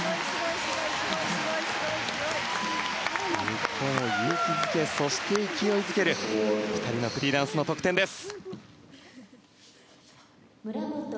日本を勇気づけそして勢いづける２人のフリーダンスの得点です。